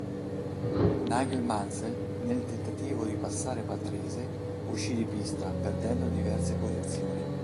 Nigel Mansell, nel tentativo di passare Patrese, uscì di pista, perdendo diverse posizioni.